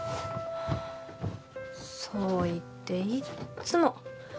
そう言っていっつも